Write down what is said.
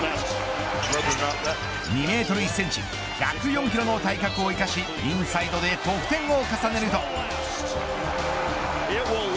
２メートル１センチ１０４キロの体格を生かしインサイドで得点を重ねると。